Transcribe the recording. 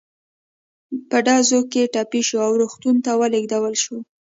په ډزو کې ټپي شو او روغتون ته ولېږدول شو.